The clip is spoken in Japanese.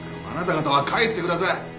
あなた方は帰ってください！